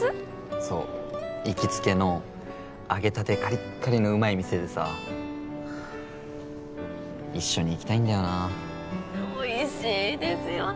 そう行きつけの揚げたてカリッカリのうまい店でさ一緒に行きたいんだよなおいしいですよね